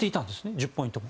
１０ポイントも。